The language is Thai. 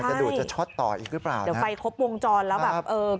ดูดจะช็อตต่ออีกหรือเปล่าเดี๋ยวไปครบวงจรแล้วแบบเออ